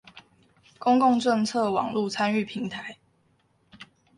公共政策網路參與平台